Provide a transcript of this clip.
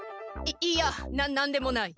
いやな何でもない。